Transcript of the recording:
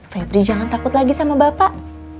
febri jangan takut lagi sama bapak